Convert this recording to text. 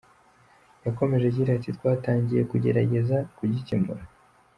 Yakomeje agira ati “Twatangiye kugerageza kugikemura.